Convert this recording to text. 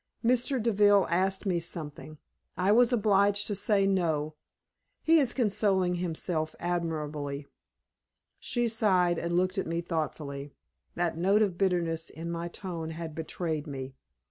"Mr. Deville asked me something. I was obliged to say no. He is consoling himself admirably." She sighed, and looked at me thoughtfully. That note of bitterness in my tone had betrayed me.